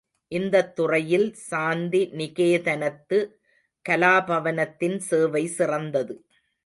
இந்தத் துறையில் சாந்தி நிகேதனத்து கலாபவனத்தின் சேவை சிறந்தது.